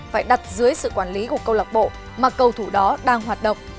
phải đặt dưới sự quản lý của cầu lộc bộ mà cầu thủ đó đang hoạt động